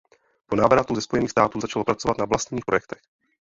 Po návratu ze Spojených států začal pracovat na vlastních projektech.